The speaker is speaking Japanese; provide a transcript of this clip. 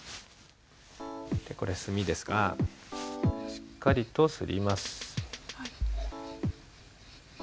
これ墨ですがしっかりとすります。